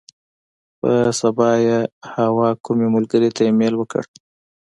پر سبا یې حوا کومې ملګرې ته ایمیل وکړ.